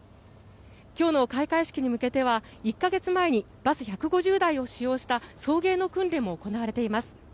今日の開会式に向けては１か月前にバス１５０台を使用した送迎の訓練も行われています。